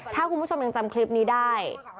ถ้าคุณผู้ชมยังจำคลิปนี้ได้